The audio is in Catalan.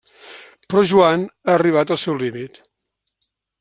Però Joan ha arribat al seu límit.